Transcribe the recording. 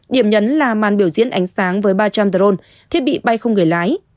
điểm nhấn là màn biểu diễn ánh sáng với ba trăm linh drone thiết bị bay không người lái